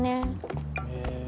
へえ。